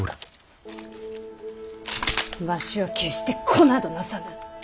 わしは決して子などなさぬ。